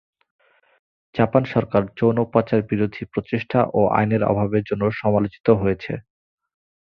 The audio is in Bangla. জাপান সরকার যৌন-পাচার বিরোধী প্রচেষ্টা ও আইনের অভাবের জন্য সমালোচিত হয়েছে।